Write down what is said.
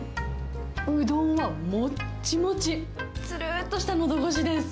うどんはもっちもち、つるっとしたのどごしです。